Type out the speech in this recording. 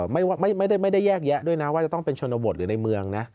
ไม่ได้แยกแยะด้วยนะว่าจะต้องเป็นชนบทหรือในเมืองนะ